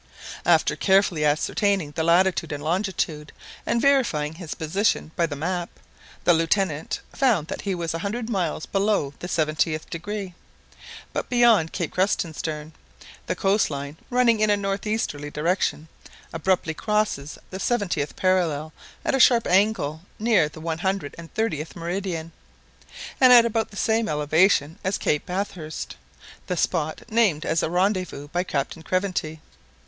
After carefully ascertaining the latitude and longitude, and verifying his position by the map, the Lieutenant found that he was a hundred miles below the seventieth degree. But beyond Cape Krusenstern, the coast line, running in a north easterly direction, abruptly crosses the seventieth parallel at a sharp angle near the one hundred and thirtieth meridian, and at about the same elevation as Cape Bathurst, the spot named as a rendezvous by Captain Craventy.